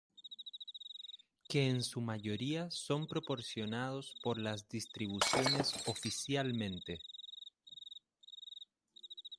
Que en su mayoría son proporcionados por las distribuciones oficialmente.